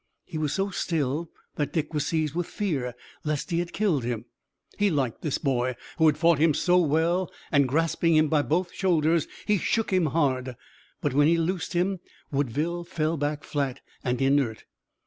He was so still that Dick was seized with fear lest he had killed him. He liked this boy who had fought him so well and, grasping him by both shoulders, he shook him hard. But when he loosed him Woodville fell back flat and inert.